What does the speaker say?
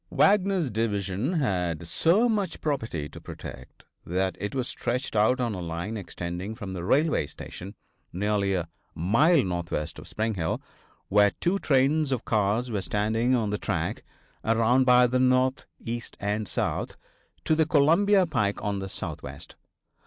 Wagner's division had so much property to protect that it was stretched out on a line extending from the railway station, nearly a mile northwest of Spring Hill, where two trains of cars were standing on the track, around by the north, east and south, to the Columbia pike on the southwest.